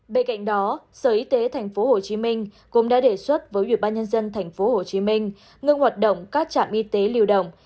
bên cạnh đó sở y tế tp hcm cũng đã đề xuất với ubnd tp hcm ngưng hoạt động các trạm y tế liều động